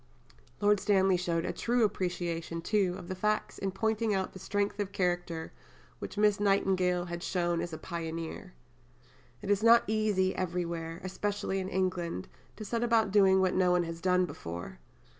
Lord Stanley showed a true appreciation, too, of the facts in pointing out the strength of character which Miss Nightingale had shown as a pioneer. "It is not easy everywhere, especially in England, to set about doing what no one has done before.